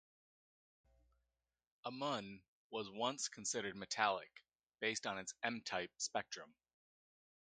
Amun was once considered metallic, based on its M-type spectrum.